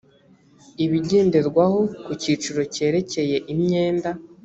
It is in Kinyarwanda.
ibigenderwaho ku cyiciro cyerekeye imyenda